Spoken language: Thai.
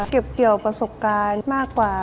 เก็บเกี่ยวประสบการณ์มากกว่า